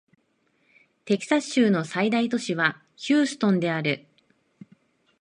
テキサス州の最大都市はヒューストンである